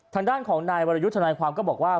ทางด้านของนายวรยุทธนายความก็บอกว่า